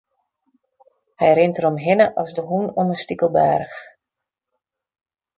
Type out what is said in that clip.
Hy rint deromhinne as de hûn om in stikelbaarch.